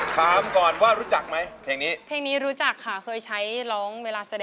ถ้าท่านทัพกิ่งพร้อมที่จะสู้แล้วอินโทรมาเลยครับ